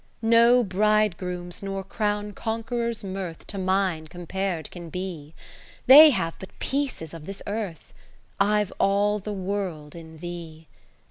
No bridegroom's nor crown conqueror's mirth To mine compar'd can be : They have but pieces of this Earth, I've all the World in thee.